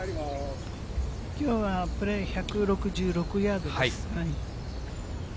きょうはプレー１６６ヤードです。